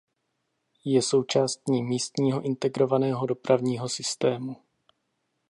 Je součástí místního integrovaného dopravního systému.